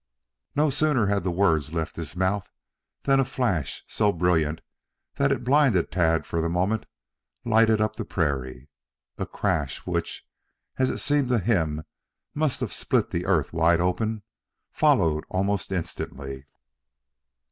No sooner had the words left his mouth than a flash, so brilliant that it blinded Tad for the moment, lighted up the prairie. A crash which, as it seemed to him, must have split the earth wide open, followed almost instantly.